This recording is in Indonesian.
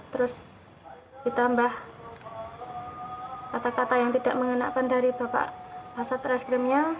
terus ditambah kata kata yang tidak mengenakan dari bapak kasat reskrimnya